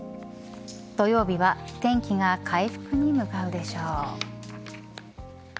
土曜日は天気が回復に向かうでしょう。